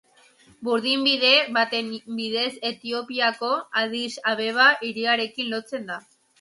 Burdinbide baten bidez Etiopiako Addis Abeba hiriarekin lotzen da.